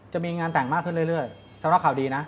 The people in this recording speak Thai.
จะมีงานแต่งมากขึ้นเรื่อยสำหรับข่าวดีนะ